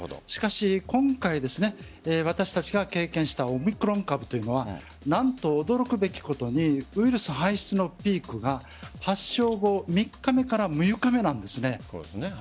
しかし今回、私たちが経験したオミクロン株というのは何と驚くべきことにウイルス排出のピークが発症後３日目から６日目なんです。